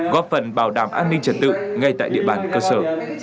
góp phần bảo đảm an ninh trật tự ngay tại địa bàn cơ sở